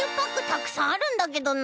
たくさんあるんだけどな。